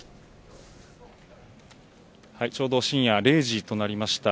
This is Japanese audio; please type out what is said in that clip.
ちょうど深夜０時となりました